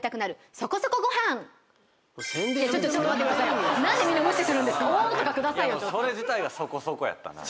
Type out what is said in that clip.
それ自体がそこそこやったな。